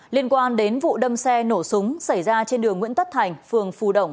liên quan đến vụ đâm xe nổ súng xảy ra trên đường nguyễn tất thành phường phù động